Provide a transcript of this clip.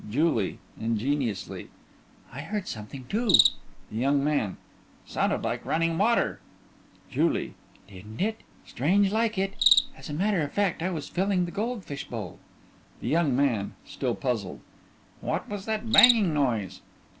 JULIE: (Ingeniously) I heard something, too. THE YOUNG MAN: Sounded like running water. JULIE: Didn't it? Strange like it. As a matter of fact I was filling the gold fish bowl. THE YOUNG MAN: (Still puzzled) What was that banging noise?